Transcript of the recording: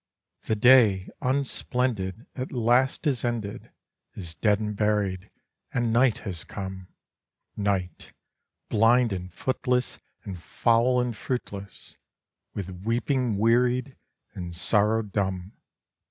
The day, unsplendid, at last is ended, Is dead and buried, and night has come; Night, blind and footless, and foul and fruitless, With weeping wearied, and sorrow dumb.